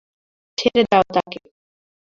ছেড়ে দাও তাকে!